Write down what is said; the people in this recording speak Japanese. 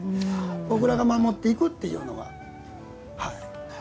僕らが守っていくというのが。